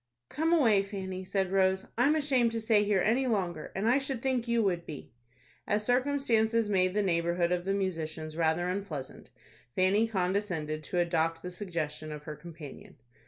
"Come away, Fanny," said Rose; "I'm ashamed to stay here any longer, and I should think you would be." As circumstances made the neighborhood of the musicians rather unpleasant, Fanny condescended to adopt the suggestion of her companion.